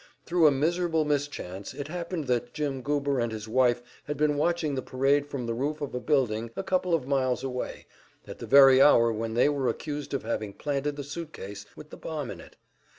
Thru a miserable mischance it happened that Jim Goober and his wife had been watching the parade from the roof of a building a couple of miles away, at the very hour when they were accused of having planted the suit case with the bomb in it.